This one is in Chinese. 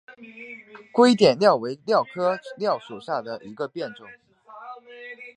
洼点蓼为蓼科蓼属下的一个变种。